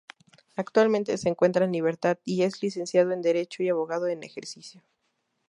Actualmente se encuentra en libertad y es licenciado en derecho y abogado en ejercicio.